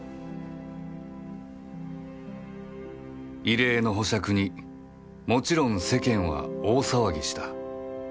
異例の保釈にもちろん世間は大騒ぎした